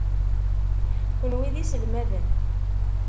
Kenwi d iselmaden.